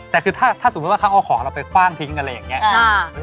แต่คือถ้าสมมุติว่าเขาเอาของเราไปคว่างทิ้งอะไรอย่างนี้